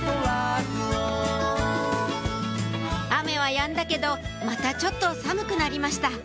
雨はやんだけどまたちょっと寒くなりました